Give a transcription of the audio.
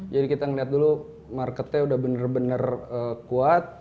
jadi kita lihat dulu marketnya udah benar benar kuat